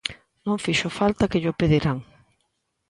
Non fixo falta que llo pediran.